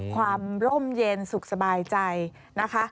ความร่มเย็นสุขสบายใจนะคะ